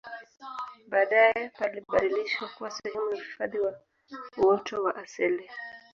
baadae palibadilishwa kuwa sehemu ya uhifadhi wa uoto wa asili